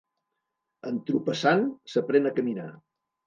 Entropessant s'aprèn a caminar.